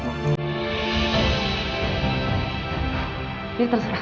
aku sadar kok mas dari awal aku tuh bodoh